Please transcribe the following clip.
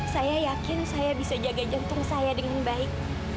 saya yakin saya bisa jaga jantung saya dengan baik